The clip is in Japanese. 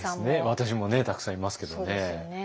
私もねたくさんいますけどね。